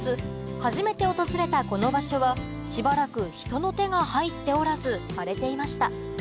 初めて訪れたこの場所はしばらく人の手が入っておらず荒れていました